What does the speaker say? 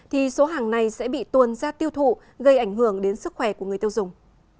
thì số hàng này sẽ bị tuôn ra tiêu thụ gây ảnh hưởng đến sức khỏe của người tiêu dùng